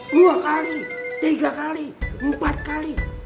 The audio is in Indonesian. dua kali tiga kali empat kali